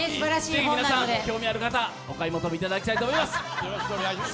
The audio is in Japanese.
皆さん、興味ある方、お買い求めいただきたいと思います。